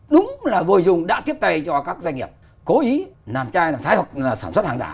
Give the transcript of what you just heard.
đúng là vô dụng đã tiếp tay cho các doanh nghiệp cố ý làm trái làm sai hoặc là sản xuất hàng giả